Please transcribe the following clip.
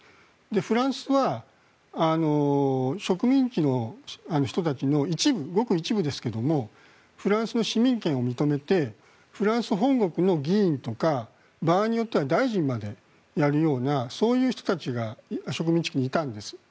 フランスは植民地の人たちのごく一部ですけどもフランスの市民権を認めてフランス本国の議員とか場合によっては大臣までやるようなそういう人たちが植民地期にいたんです。